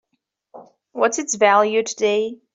What's its value today?